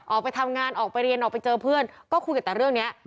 ออกไปทำงานออกไปเรียนออกไปเจอเพื่อนก็คุยกันแต่เรื่องนี้